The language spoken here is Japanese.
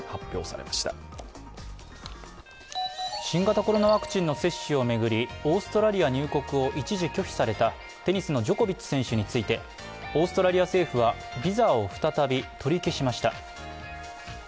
新型コロナワクチンの接種を巡り、オーストラリア入国を一時拒否されたテニスのジョコビッチ選手についてオーストラリア政府はビザを再び取り消しました。